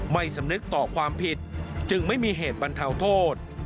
สำนึกต่อความผิดจึงไม่มีเหตุบรรเทาโทษ